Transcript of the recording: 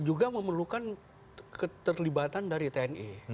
juga memerlukan keterlibatan dari tni